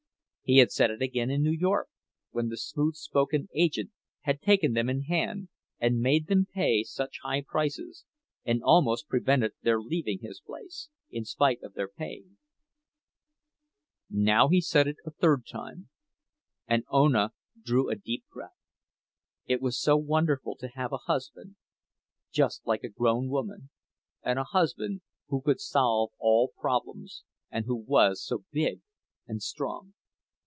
He had said it again in New York, when the smooth spoken agent had taken them in hand and made them pay such high prices, and almost prevented their leaving his place, in spite of their paying. Now he said it a third time, and Ona drew a deep breath; it was so wonderful to have a husband, just like a grown woman—and a husband who could solve all problems, and who was so big and strong!